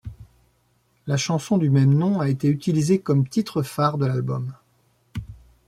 La chanson du même nom a été utilisé comme titre-phare de l'album.